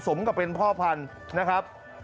สมกับเป็นพ่อพันธุ์นะครับ